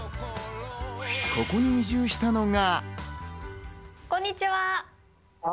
ここに移住したのが。